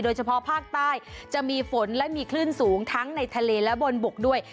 เฉพาะภาคใต้จะมีฝนและมีคลื่นสูงทั้งในทะเลและบนบกด้วย